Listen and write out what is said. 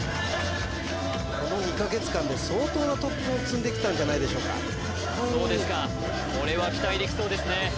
この２カ月間で相当な特訓を積んできたんじゃないでしょうかそうですかこれは期待できそうですね